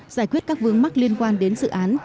giải quyết các vướng mắc liên quan đến dự án